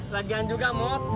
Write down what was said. lagian juga ngot